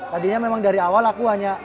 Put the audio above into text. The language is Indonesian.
tadinya memang dari awal aku hanya